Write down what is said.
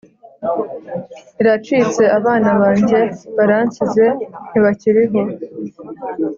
iracitse abana banjye baransize ntibakiriho